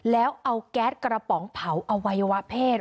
แล้วเอาแก๊สกระป๋องเผาอวัยวะเพศ